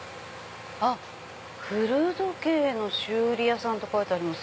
「古時計の修理屋さん」って書いてありますよ。